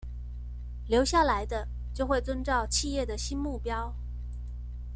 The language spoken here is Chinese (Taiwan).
留下來的就會遵照企業的新目標